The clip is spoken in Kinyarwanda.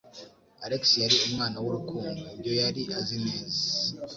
Alex yari umwana w'urukundo - ibyo yari azi neza.